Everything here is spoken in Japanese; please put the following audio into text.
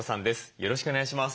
よろしくお願いします。